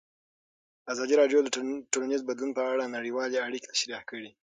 ازادي راډیو د ټولنیز بدلون په اړه نړیوالې اړیکې تشریح کړي.